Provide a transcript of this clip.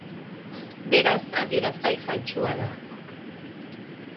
Beraz, adierazgai faltsua da.